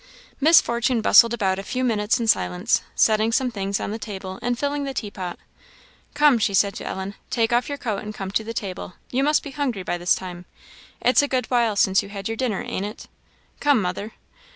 Miss Fortune bustled about a few minutes in silence, setting some things on the table, and filling the tea pot. "Come," she said to Ellen, "take off your coat and come to the table. You must be hungry by this time. It's a good while since you had your dinner, ain't it? Come, mother."